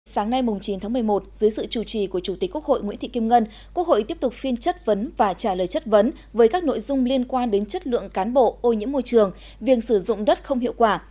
sáng nay chín tháng một mươi một dưới sự chủ trì của chủ tịch quốc hội nguyễn thị kim ngân quốc hội tiếp tục phiên chất vấn và trả lời chất vấn với các nội dung liên quan đến chất lượng cán bộ ô nhiễm môi trường việc sử dụng đất không hiệu quả